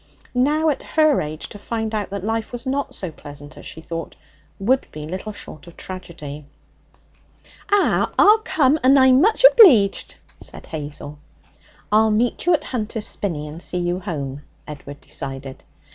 Now, at her age, to find out that life was not so pleasant as she thought would be little short of tragedy. 'Ah, I'll come, and I'm much obleeged,' said Hazel. 'I'll meet you at Hunter's Spinney and see you home.' Edward decided.